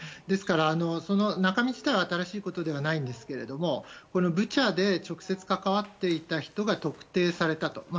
ですから中身自体は新しいことではないんですけどブチャで直接関わっていた人が特定されたと。